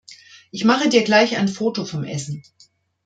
Ich mache dir gleich ein Foto vom Essen.